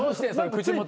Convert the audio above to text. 口元。